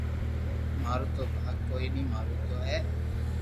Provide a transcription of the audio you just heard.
مارو تو ڀاگ ڪوئي ني مارو تو ھي